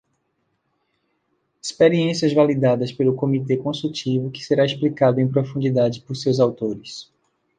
Experiências validadas pelo comitê consultivo que será explicado em profundidade por seus autores.